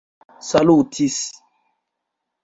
salutis